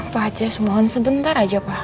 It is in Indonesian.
pak aceh mohon sebentar aja pak